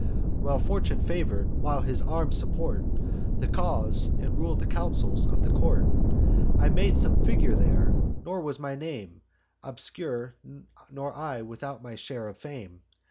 While Fortune favour'd, while his arms support The cause, and rul'd the counsels, of the court, I made some figure there; nor was my name Obscure, nor I without my share of fame.